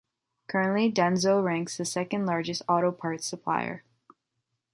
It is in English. Currently, Denso ranks the second largest auto parts supplier.